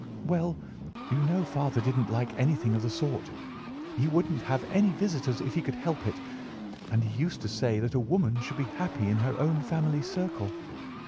"Well, you know father didn't like anything of the sort. He wouldn't have any visitors if he could help it, and he used to say that a woman should be happy in her own family circle.